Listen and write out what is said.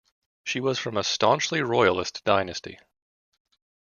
She was from a staunchly Royalist dynasty.